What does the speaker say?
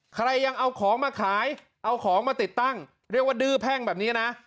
ใครยังเอาของมาขายเอาของมาติดตั้งเรียกว่าดื้อแพ่งแบบนี้นะ